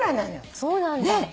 そうなんだ。